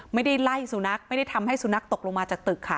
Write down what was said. ไม่ได้ไล่สุนัขไม่ได้ทำให้สุนัขตกลงมาจากตึกค่ะ